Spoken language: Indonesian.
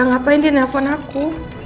ngapain dia nelfon aku